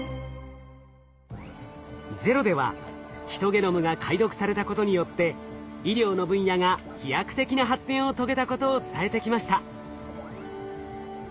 「ＺＥＲＯ」ではヒトゲノムが解読されたことによって医療の分野が飛躍的な発展を遂げたことを伝えてきました。